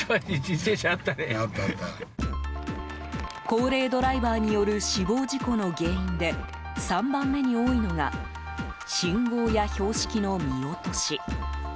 高齢ドライバーによる死亡事故の原因で３番目に多いのが信号や標識の見落とし。